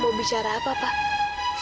mau bicara apa pak